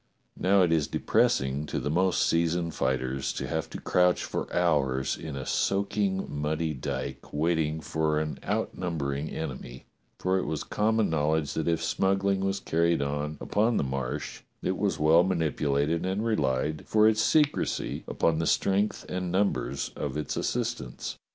Now it is depressing to the most seasoned fighters to have to crouch for hours in a soaking muddy dyke wait ting for an outnumbering enemy; for it was common knowledge that if smuggling was carried on upon the Marsh, it was well manipulated and relied for its secrecy upon the strength and numbers of its assistants.